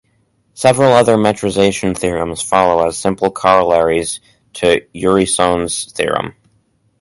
Several other metrization theorems follow as simple corollaries to Urysohn's Theorem.